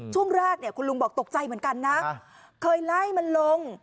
ช่วงแรกคุณลุงบอกตกใจเหมือนกันนะ